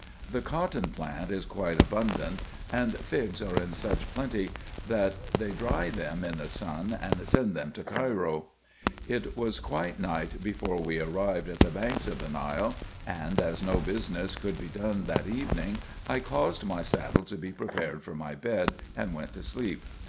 The cotton plant is quite abundant ; and figs are in such plenty, that they dry them in the sun, and send them to Cairo. It was quite night before we arrived at the banks of the Nile ; and, as no business could be done that evening, I caused my saddle to be prepared for my bed, and went to sleep.